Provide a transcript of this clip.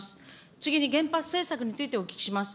次に原発政策についてお聞きします。